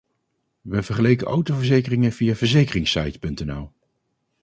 We vergeleken autoverzekeringen via Verzekeringssite.nl.